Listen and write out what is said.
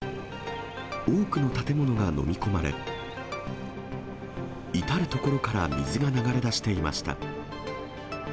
多くの建物が飲み込まれ、至る所から水が流れ出していました。